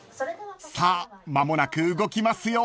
［さあ間もなく動きますよ］